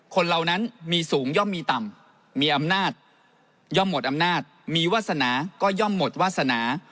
เหล่านั้นมีสูงย่อมมีต่ำมีอำนาจย่อมหมดอำนาจมีวาสนาก็ย่อมหมดวาสนา